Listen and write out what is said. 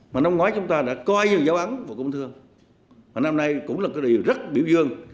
năm ngoái chúng ta đã coi như là giáo án của công thương mà năm nay cũng là cái điều rất biểu dương